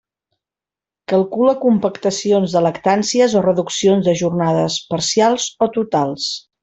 Calcula compactacions de lactàncies o reduccions de jornades, parcials o totals.